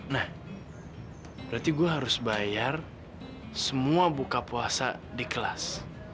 nah berarti gue harus bayar semua buka puasa di kelas